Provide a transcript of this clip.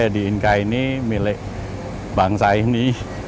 di inka ini milik bangsa ini